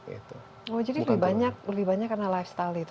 jadi lebih banyak karena lifestyle itu